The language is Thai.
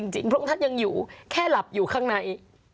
พระองค์ท่านยังอยู่แค่หลับอยู่ข้างใน